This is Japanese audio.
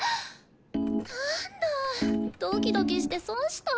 なんだぁドキドキして損した。